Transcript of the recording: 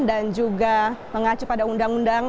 dan juga mengacu pada undang undang